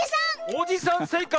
おじさんせいかい！